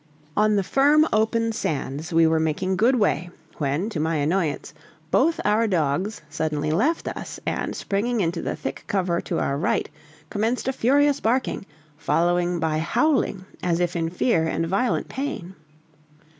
On the firm open sands we were making good way, when, to my annoyance, both our dogs suddenly left us, and springing into the thick cover to our right, commenced a furious barking, following by howling as if in fear and violent pain.